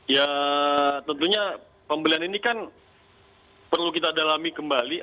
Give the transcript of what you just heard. ya tentunya pembelian ini kan perlu kita dalami kembali